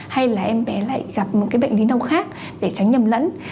hay là em bé lại gặp một cái bệnh lý nào khác để tránh nhầm lẫn